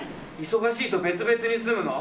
忙しいと別々に住むの？